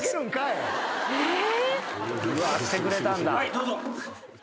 どうぞ。